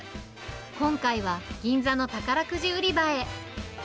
今回は銀座の宝くじ売り場へ。